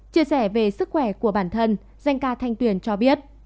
chia sẻ về sức khỏe của bản thân danh ca thanh tuyền cho biết